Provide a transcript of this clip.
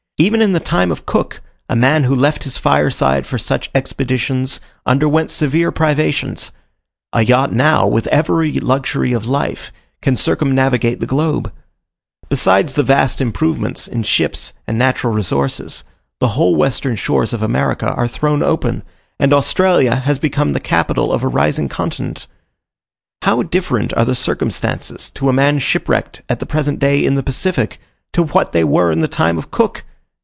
Even in the time of Cook, a man who left his fireside for such expeditions underwent severe privations. A yacht now, with every luxury of life, can circumnavigate the globe. Besides the vast improvements in ships and naval resources, the whole western shores of America are thrown open, and Australia has become the capital of a rising continent. How different are the circumstances to a man shipwrecked at the present day in the Pacific, to what they were in the time of Cook!